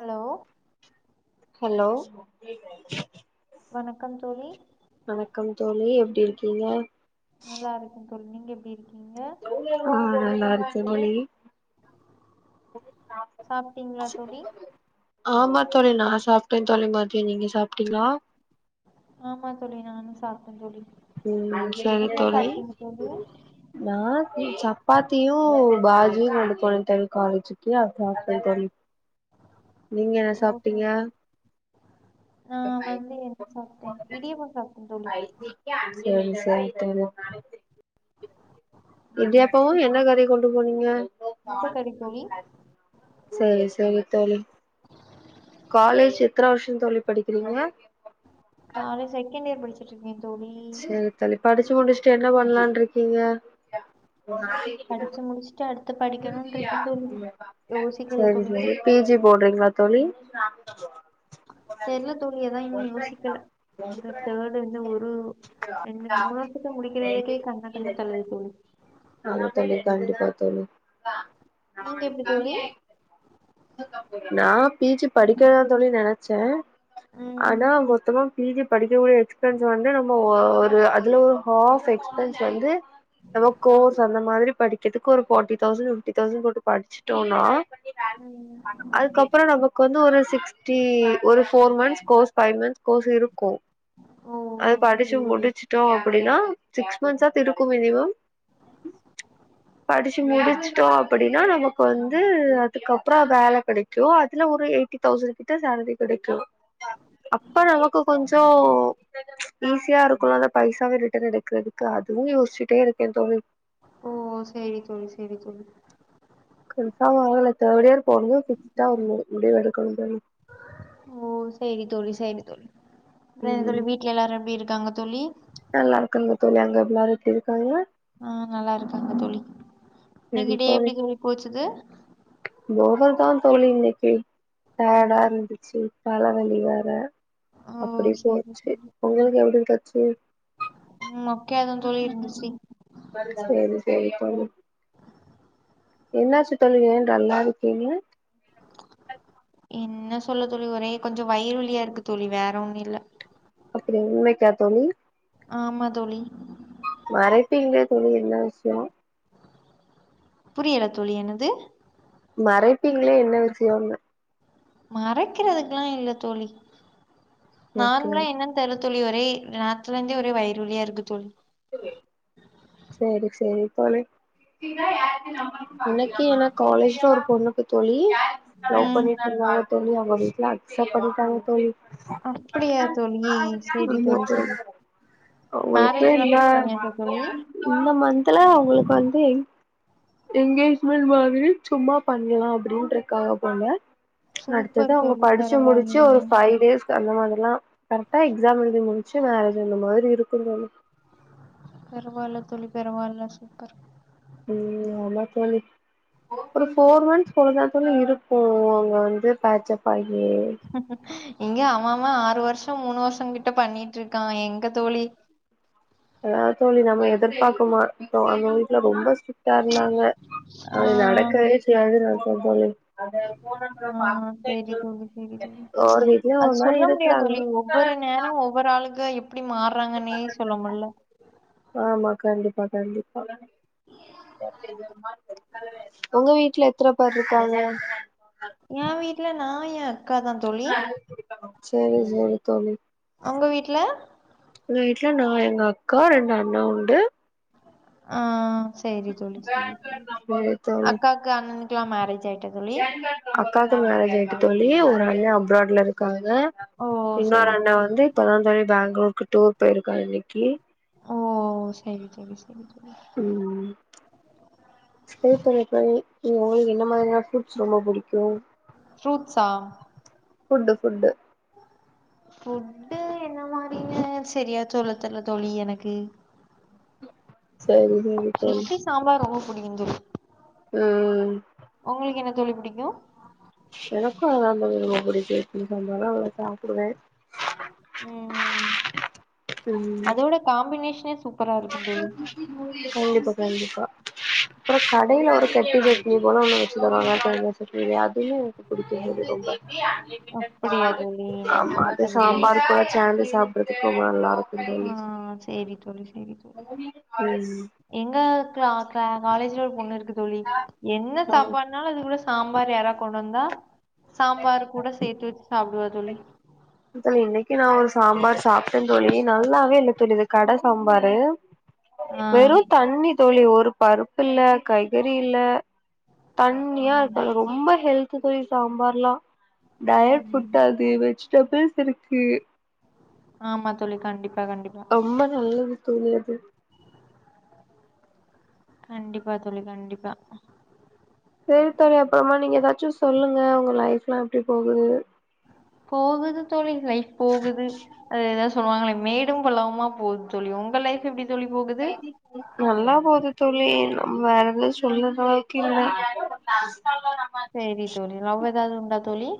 Hello hello வணக்கம் தோழி வணக்கம் தோழி எப்டி இருக்கீங்க நல்லா இருக்கோ தோழி நீங்க எப்டி இருக்கீங்க ஆஹ்ன் நல்லாருக்கே தோழி சாப்ட்டீங்களா தோழி [inaudible] ஆமா தோழி நா சாப்ட்டேன் தோழி மதியோ நீங்க சாப்ட்டீங்ளா ஆமா தோழி நானு சாப்ட்டே தோழி ம் என்ன சாப்ட்டீங்க தோழி நான் சப்பாத்தியூ பாஜியூ கொண்டு போனே தோழி காலேஜுக்கு அத சாப்ட்டே தோழி நீங்க என்ன சாப்ட்டீங்க நான் வந்து என்ன சாப்ட்டே இடியப்போ சாப்ட்டே தோழி சேரி சேரி தோழி ம் இடியாப்பவு என்ன கறி கொண்டு போனீங்க முட்டக்கறி தோழி சேரி சேரி தோழி காலேஜ் எத்தன வருஷோ தோழி படிக்கிறீங்க காலேஜ் செகண்ட் இயர் படிச்சிட்ருக்கே தோழி செரி தோழி படிச்சு முடிச்சுட்டு என்ன பண்லான்ருக்கீங்க படிச்சு முடிச்சுட்டு அடுத்து படிக்கணுனு இருக்கே தோழி யோசிக்கல சரி தோழி இன்னு சரி பி ஜி போட்றீங்ளா தோழி தெர்ல தோழி அதா இன்னு யோசிக்கல இந்த தேர்டு வந்து ஒரு என்ன மூணு வருஷத்த முடிக்கிறதுக்கே கண்ண கண்ண தள்ளுது தோழி ஆமா தோழி கண்டிப்பா தோழி நீங்க எப்டி தோழி நா பி ஜி படிக்கதா தோழி நெனச்ச ம் ஆனா அங்க ஒருத்த பி ஜி படிக்கக்கூடிய எக்ஸ்பன்ஸ் வந்து நம்ம ஒ ஒரு அதுலோ ஹாஃப் எக்ஸ்பன்ஸ் வந்து நம்ம கோர்ஸ் அந்த மாதிரி படி வருஷத்துக்கு ஒரு ஃபார்ட்டி தௌசண்ட் பிப்டி தௌசண்ட் போட்டு படிச்சிட்டோன்னா ம் அதுக்கப்றோ நமக்கு வந்து ஒரு சிக்ஸ்டி ஒரு four months course five months course இருக்கு ஓ அது சரி படிச்சு தோழி முடிச்சு ட்டோ அப்டின்னா சிக்ஸ் மந்த்ஸாது இருக்கு மினிமம் படிச்சு முடிச்சிட்டோ அப்படின்னா நமக்கு வந்து அதுக்கப் ப்றோ வேல கெடைக்கு அதுல ஒரு எய்ட்டி தௌசண்ட் கிட்ட சேலரி கெடைக்கு அப்ப நமக்கு கொஞ்சோ ஈஸியா இருக்குல அது பைசாவ ரிட்டர்ன் எடுக்கிறதுக்கு அதுவு யோஸ்ச்சிட்டே இருக்க தோழி ஓ சேரி தோழி சேரி தோழி கன்ஃபார்ம் ஆகல தேர்ட் இயர் போனது பிக்ஸ்டா ஒரு முடி முடிவு எடுக்கணு தோழி ஓ சேரி தோழி சேரி தோழி அப்றோ என்ன தோழி ம் வீட் ல எல்லாரு எப்டி இருக்காங்க தோழி நல்லா இருக்காங்க தோழி அங்க எல்லாரு எப்டி இருக்காங்க ஆ நல்லா இருக்காங்க தோழி இன்னிக்கி டே எப்டி தோழி போச்சுது போகல் தா தோழி இன்னைக்கி டய்டா ம். இருந்து சி தல வலி வேற ஓ அப்டி சரி போச்சு தோழி உங்களுக்கு எப்டி போச்சு ம் மொக்கயாதா தோழி இருந்துச்சி சேரி சேரி தோழி என்னாச்சு தோழி ஏ டல்லா இருக்கீங்க என்ன சொல்ல தோழி ஒரே கொஞ்சோ வயிறு வலியா இருக்கு தோழி வேற ஒன்னு இல்ல அப்டி இன்னைக்கா தோழி ஆமா தோழி மறைப்பீங்க தோழி என்ன விஷ்யோ புரியல தோழி என்னது மறைப்பீங்ளே என்ன விஷயோன்ன மறைக்கிறதுக்குலா இல்ல தோழி ஓகே நார்மலா என்னன் தெர்ல தோழி ஒரே நத்துல இருந்தே ஒரே வயிறு வலியா இருக்கு தோழி சேரி சேரி தோழி இன்னைக்கி என்ன காலேஜ்ல ஒரு பொண்ணுக்கு தோழி லவ் ம் பண்ணிட்டு இருந்தாங்க தோழி அவங்க வீட்ல அக்சப்ட் பண்ணிட்டாங்க தோழி அப்படியா தோழி சரி ஆமா தோழி தோ சரி அவங்களுக்கு மேரேஜ் எல்லா இந்த ஃபிக்ஸ் பண்ணியாச்சா தோழி இந்த மந்த்ல அவங்களுக்கு வந்து எந் என்ங்கேஜ்மெண்ட் மாதிரி சும்மா பண்லா அப்டின்ருக்காங்க போல அடுத்தது சூப்பர் அவங்க தோழி படிச்சு முடிச்சு பரவாயில்லையே ஒரு ஃபைவ் டேஸ் அந்த மாதிரிலா கரெக்டா எக்ஸாம் எழுதி முடிச்சு மரேஜ் அந்த மாதிரி இருக்கு தோழி பரவால்ல தோழி பரவால்ல சூப்பர் ம் ஆமா தோழி ஒரு ஃபோர் மந்த்ஸ் போலதா தோழி இருக்கு அவங்க வந்து பேட்சப் ஆகி இங்க அவ அவ ஆறு வருஷோ மூணு வருஷோ கிட்ட பண்ணிட்டு இருக்கா எங்க தோழி அதா தோழி நம்ம எதிர்பாக் இப்பமா அவங்க வீட்ல ரொம்ப ஸ்ட்ரிக்டா இருந்தாங்க ஆ அது நடக்கவே அது ராக்கா தோழி ஆ சரி தோழி சரி தோழி ஒவ்வொரு வீட்லயு அது ஒவ்வொரு மாரி சொல்ல முடியாது இருக்குறாங்க தோழி ஒவ்வொரு நேரோ ஒவ்வொரு ஆளுக எப்டி மார்றாங்கன்னே சொல்ல முட்ல ஆமா கண்டிப்பா கண்டிப்பா உங்க வீட்ல எத்தன பேர் இருக்காங்க எ வீட்டு்ல நா எ அக்கா தா தோழி சரி சரி தோழி அவங்க வீட்ல எங்க வீட்ல நா எங்க அக்கா ரெண்டு அண்ணா உண்டு ஆ செரி தோழி செரி தோழி சேரி தோழி அக்காக்கு அண்ணனுக்கெல்லா மேரேஜ் ஆய்ட்டா தோழி அக்காக்கு மேரேஜ் ஆய்ட்டு தோழி ஒரு அண்ணா அப்ராட்ல இருக்காங்க ஓ சரி இன்னொரு அண்ண தோழி வந்து இப்பதா தோழி பேங்ளூருக்கு டூர் போய்ருக்கா இன்னைக்கி ஓ சரி சரி சரி தோழி ம் சரி தோழி இப்ப இ உங்களுக்கு என்ன மாரியான ஃபுட்ஸ் ரொம்ப புடிக்கு ஃப்ரூட்ஸா ஃபுட்டு ஃபுட்டு புஃட்டு என்ன மாறினு சரியா சொல்ல தெரில தோழி எனக்கு சரி சரி தோழி இட்லி சாம்பார் ரொம்ப புடிக்குந் தோழி ம் ஒங்களுக்கு என்ன தோழி புடிக்கு எனக்கு அதா தோழி ரொம்ப புடிச்சிருக்குன்னு சொன்னாலு அவள சாப்டுவே ம் ம் அதோட காம்பினேஷனே சூப்பரா இருக் கண்டிப்பா கண்டிப்பா அப்புற கடையில ஒரு கட்டி சட்னி போல ஒன்னு வச்சு தருவாங்க தேங்கா சட்னி அதுவு புடிக்கும் போது ரொம்ப அப்படியா தோழி நா ஆமா அது சாப்ட்டதில்ல சாம்பாருக்குள்ள சேந்து சாப்டுறதுக்கு ரொம்ப நல்லா இருக்கு ஆ தோழி செரி தோழி செரி தோ ம் எங்க க்லா க்லா காலேஜ்ல ஒரு பொண்ணு இருக்கு தோழி என்ன சாப்பாடு அதனால அது கூட சாம்பார் யாரா கொண்டு வந்தா சாம்பார் கூட சேத்து வச்சு சாப்டுவா தோழி தோழி இன்னைக்கு நா ஒரு சாம்பார் சாப்ட்ட தோழி நல்லாவே இல்ல தோழி இந்த கட சாம்பாரு ஆ வெறு தண்ணி தோழி ஒரு பருப்பு இல்ல கய்கறி இல்ல தண்ணியா இருக்கது ரொம்ப ஹெல்து தொழி சாம்பார்லா டயட் ஃபுட் அது வெஜிடபிள்ஸ் இருக்கு ஆமா தோழி கண்டிப்பா கண்டிப்பா ரொம்ப நல்லது தோழி அது கண்டிப்பா தோழி கண்டிப்பா சரி தோழி அப்புறமா நீங்க ஏதாச்சு சொல்லுங்க உங்க லைஃப்ல்லா எப்டி போகுது போகுது தோழி லைஃப் போகுது அது ஏதா சொல்லுவாங்களே மேடும் பள்ளமுமா போகுது தோழி உங்க லைஃப் எப்டி தோழி போகு சரி நல்லா போது தோழி நம் வேற எது சொல்லுற அளவு இல்ல சரி தோழி லவ் ஏதாது உண்டா தோழி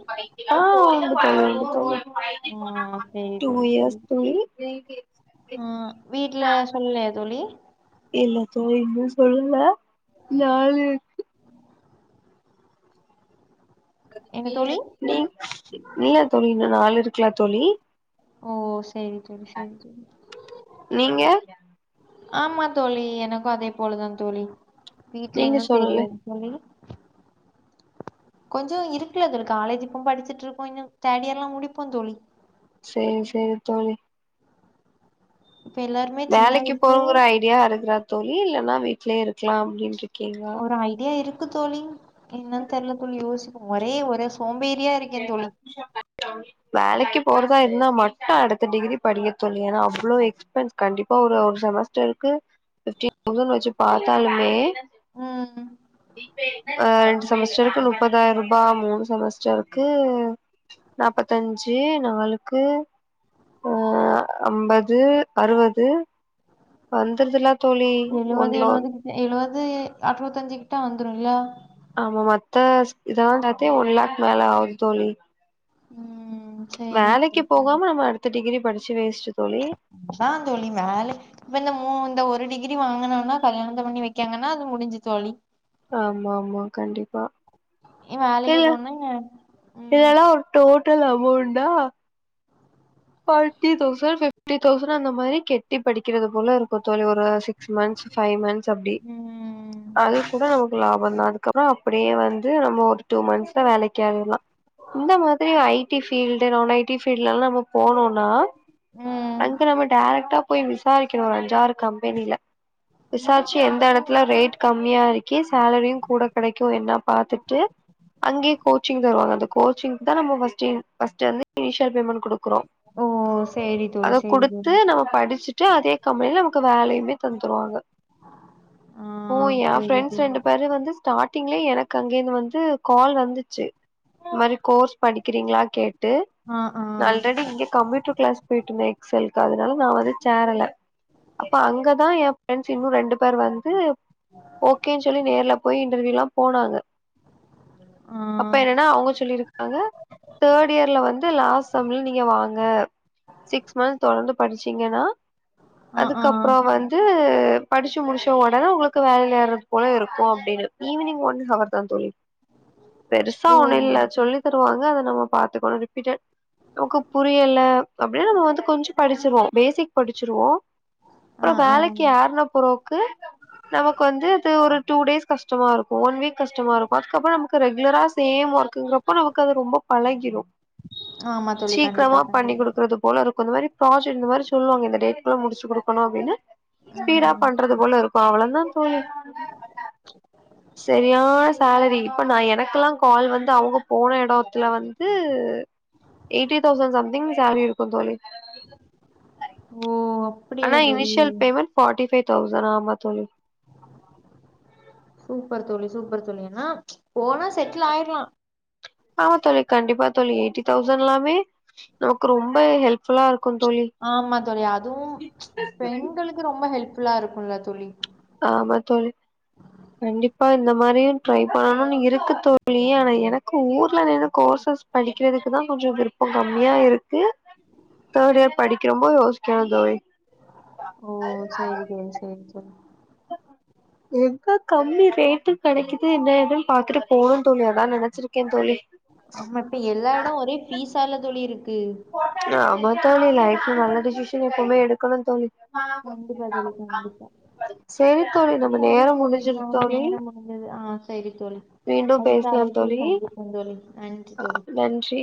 ஆ உண்டு தோழி உண்டு தோழி ஆ சேரி டூ இயர்ஸ் தோழி ம் வீட்ல சொல்லலையா தோழி இல்ல தோழி இன்னு சொல்லல நாலு என்ன தோழி நீ இல்ல தோழி இன்னு நாள் இருக்குல தோழி ஓ செரி தோழி செரி தோழி நீங்க ஆமா தோழி எனக்கு அதே போலதா தோழி வீட்ல நீங்க இன்னு சொல்லல தெரியாது தோழி கொஞ்சோ இருக்குல அது ஒரு காலேஜ் இப்பவு படிச்சுட்டு இருக்கோ இன்னு தேர்ட் இயர்ல்லா முடிப்போ தோழி. சேரி சேரி தோழி இப்ப எல்லார்மே சின்ன வயசுலயே தியா அருக்குறா தோழி இல்லேன்னா வீட்லயே இருக்லா அப்டின்ருக்கீங்களா ஒரு ஐடியா இருக்கு தோழி என்னன் தெர்ல தோழி யோசிப்போ ஒரே ஒரு சோம்பேறியா இருக் [inaudible] வேலைக்கு போறதா இருந்தா மட்டு அடுத்த டிகிரி படிக்க தோழி ஏன்னா அவ்ளோ எக்ஸ்பென்ஸ் கண்டிப்பா ஒரு ஒரு செமஸ்டருக்கு பிப்டீன் தௌஸண் வச்சு பாத்தாலுமே ம் ஆ ரெண்டு செமஸ்டருக்கு முப்பதாயிர் ரூபா மூணு செமஸ்டர்க் க்கு நாப்பத்தஞ்சு நாளுக்கு ஆ ஐம்பது அறுவது வந்துர்துலாப் எழுவது எழுவது கிட்ட எழுவது அறுவத்த அஞ்சு கிட்ட வந்துரு இல்ல ஆமா மத்த இதல்லா சேத்தே ஒன் லாக் மேல ஆவுது தோழி ம் சரி வேலைக்கி தோழி. போகாம நம்ம அடுத்த டிகிரி படுச்சு வேஸ்டு தோழி அதா தோழி மேலய் இப்ப இந்த மூ இந்த ஒரு டிகிரி வாங்குனோனா கல்யாணத்த பண்ணி வெக்காங்கன்னா அது முடிஞ்சு தோழி ஆமா ஆமா கண்டிப்பா இவ வேலைக்கி இல்ல போனு இதெல்லா ஒரு டோட்டல் அமௌண்டா ஃபாட்டி தௌசண் ஃபிப்டி தௌசண் அந்த மாரி கெட்டி படிக்கிறது போல இருக்கு தோழி ஒரு வருஷத் சிக்ஸ் மன்ஸ் ஃபைவ் மன்ஸ் அப்டி ம் அது கூட நமக்கு லாபந்தா அதுக்கப்றோ அப்டியே வந்து நம்ம ஒரு டூ மந்த்ஸ்ல வேலக்கு ஆயிர்லா இந்த மாதிரி ஐடி ஃபீல்டு நான் ஐடி ஃபீல்டுலல்லா நம்ம இவ்ளோனா ம் அங்க நம்ம டேரக்டா போய் விசாரிக்கணு ஒரு அஞ்சாறு கம்பெனில விசார்ச்சு எந்த எடத்துல ரேட் கம்மியா இருக்கி சேலரியு கூட கெடைக்கு என்னா பாத்துட்டு அங்கேயே கோச்சிங் தருவாங்க அந்த கோச்சிங்குதா நம்ம ஃபஸ்டு என் ஃபஸ்டு வந்து இனிசியல் பேமண்ட்டு குடுக் குறோ ஓ சேரி தோழி அத சேரி குடுத்து தோழி நம்ம படுச்சுட்டு அதே கம்பெனில நமக்கு வேலயுமே தந்துருவாங்க. ஆ ஓ ஏ சேரி ஃப்ரெண்ட்ஸ் தோழி ரெண்டு பேரு வந்து ஸ்டார்டிங்லே எனக்கு அங்கேந்து வந்து ஃகால் வந்துச்சு. இந்த மாதிரி கோர்ஸ் படிக்கிறீங்ளா கேட்டு ஆ ஆ ஆல்ரெடி இங்க கம்ப்யூட்டர் க்ளாஸ் போய்ட்ருந்தே எக்ஸல்க்கு அதுனால நா வந்து சேரல அப்ப அங்கதா எஏ ஃபிரெண்ட்ஸ் இன்னு ரெண்டு பேர் வந்து ஓகேன் சொல்லி நேர்ல போய் இன்டர்வியுல்லா போனாங்க ஆ அப்ப என்னன்னா அவுங்க சொல்லிருக்காங்க தேர்ட் இயர்ல வந்து லாஸ்ட் சம்ல வாங்க சிக்ஸ் மந்த் தொடர்ந்து படிச்சீங்கன்னா ஆ ஆ அதுக்கப்றோ வந்து படிச்சு முடிச்ச ஒடனே உங்களுக்கு மேல ஏர்றது போல இருக்கு அப்டீன்னு ஈவினிங் ஒன்ஹவர் தா தோழி பெருசா ஓ ஒன்னு இல்ல சொல்லி தருவாங்க அத நம்ம பாத்துக்கணு ரிப்பீட்டட் நமக்கு புரியல அப்டின்னா நம்ம வந்து கொஞ்சோ படிச்சிருவோ பேசிக் படிச்சிருவோ ஆ அப்றோ ஆ வேலைக்கு யாருன்ன புறோக்கு நமக்கு வந்து அது ஒரு டூ டேஸ் கஷ்டமா இருக்கு. ஒன் வீக் கஷ்டமா இருக்கு அதுக்கப்றோ நமக்கு ரெகுலரா சேம் ஒர்க் இருக்குங்கிறப்ப நமக்கு அது ரொம்ப பழகிரு ஆமா தோழி கண்டிப்பா சீக்கரமா பண்ணி கண்டிப்பா. குடுக்கறது போல இருக்கு இந்த மாதிரி ப்ராஜக்ட் இந்த மாரி சொல்லுவாங்க இந்த டேட்க்குள்ள முடிச்சு குடுக்கணு அப்டின்னு ஸ்பீடா ம். பண்றது போல இருக்கு அவ்ளதா தோணுது செரியா சேலரி இப்ப நா எனக்கெல்லா கால் வந்து அவங்க போன இடத்துல வந்து எய்ட்டி தௌசண்ட் சம்திங் சேரி இருக்கு தோழி ஓ அப்படியா தோழி ஃபார்ட்டிஃபைவ் தௌசண்ட் ஆமா தோழி சூப்பர் தோழி சூப்பர் தோழி ஏன்னா போனா செட்டில் ஆய்ட்லா ஆமா தோழி கண்டிப்பா தோழி எய்ட்டி தௌசண்ட்ல்லாமே நமக்கு ரொம்ப ஹெல்ப்ஃபுல்லா இருக் ஆமா தோழி அதுவு பெண்களுக்கு ரொம்ப ஹெல்ப்ஃபுல்லா இருக்குல்ல தோழி ஆமா தோழி கண்டிப்பா இந்த மாரியு ட்ரை பண்ணணுன் இருக்கு தோழி ஆனா எனக்கு ஊர்ல நறு கோர்சஸ் படிக்கறதுக்குதா கொஞ்சோ விருப்போ கம்மியா இருக்கு தேர்ட் இயர் படிக்கம்போ யோசிக்கற தோழி ஓ செரி தோழி செரி தோழி எங்க கம்மி ரேட்டு கிடைக்குது என்ன ஏதுன் பாத்துட்டு போணு தோழி அதா நெனைச்சிருக்கே தோழி ஆமா இப்ப எல்லா இடம் ஒரே ஃபீஸால தோழி இருக்கு ஆமா தோழி லைஃப்ல நல்ல டிசிஷன் எப்பவுமே எடுக்கணு தோழி கண்டிப்பா தோழி கண்டிப்பா சரி தோழி நம்ம சரி நேரம் தோழி முடிஞ்சிரு நம் தோழி நேரம் முடிஞ்சது ஆ சரி தோழி மீண்டும் அடுத்த பேசலாம் அழைப்பில் தோழி சந்திப்போ தோழி நன்றி ஆ, தோழி நன்றி